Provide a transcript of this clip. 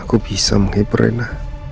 aku bisa menghibur rina